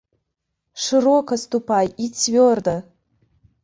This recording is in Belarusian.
Шырока ступай і цвёрда!